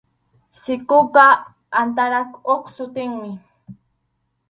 Sikuqa antarap huk sutinmi.